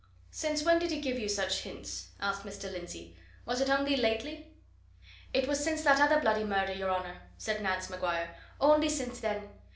"Since when did he give you such hints?" asked Mr. Lindsey. "Was it only lately?" "It was since that other bloody murder, your honour," said Nance Maguire. "Only since then.